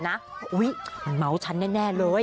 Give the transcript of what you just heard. มันเม้าฉันแน่เลย